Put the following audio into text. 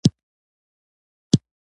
په يو بل دوکان کښې لوى لوى مېزونه ايښي وو.